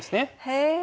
へえ。